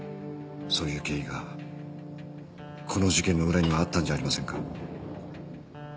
そういう経緯がこの事件の裏にはあったんじゃありませんか？